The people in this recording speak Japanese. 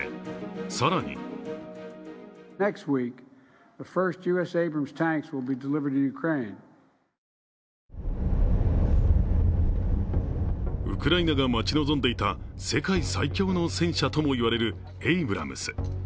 更にウクライナが待ち望んでいた世界最強の戦車とも言われるエイブラムス。